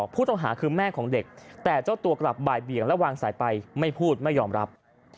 ผู้ต้องหาคือแม่ของเด็กแต่เจ้าตัวกลับบ่ายเบี่ยงและวางสายไปไม่พูดไม่ยอมรับ